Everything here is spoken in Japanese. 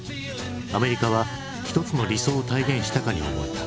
アメリカは一つの理想を体現したかに思えた。